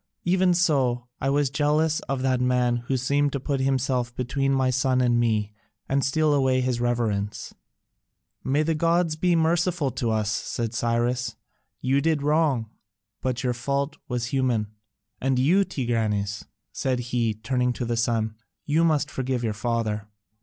Even so I was jealous of that man who seemed to put himself between my son and me and steal away his reverence." "May the gods be merciful to us!" said Cyrus, "you did wrong, but your fault was human. And you, Tigranes," said he, turning to the son, "you must forgive your father."